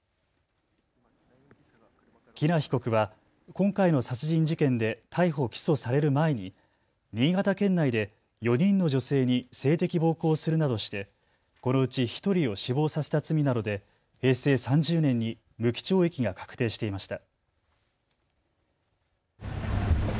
喜納被告は今回の殺人事件で逮捕・起訴される前に新潟県内で４人の女性に性的暴行するなどして、このうち１人を死亡させた罪などで平成３０年に無期懲役が確定していました。